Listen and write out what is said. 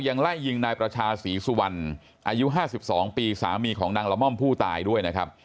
ไล่ยิงนายประชาศรีสุวรรณอายุ๕๒ปีสามีของนางละม่อมผู้ตายด้วยนะครับ